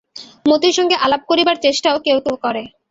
মতির সঙ্গে আলাপ করিবার চেষ্টাও কেউ কেউ করে।